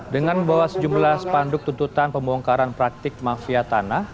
dengan bawa sejumlah panduk tuntutan pembongkaran praktik mafia tanah